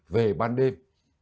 về ban đêm